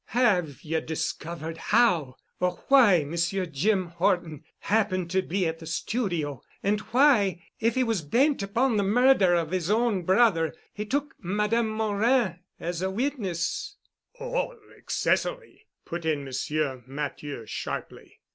"Have you discovered how or why Monsieur Jim Horton happened to be at the studio and why if he was bent upon the murder of his own brother he took Madame Morin as a witness——" "Or accessory——" put in Monsieur Matthieu sharply.